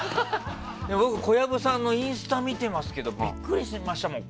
僕、小籔さんのインスタ見てますけどビックリしましたもん。